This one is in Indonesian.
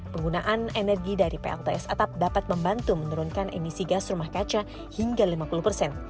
penggunaan energi dari plts atap dapat membantu menurunkan emisi gas rumah kaca hingga lima puluh persen